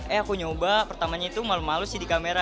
eh aku nyoba pertamanya itu malu malu sih di kamera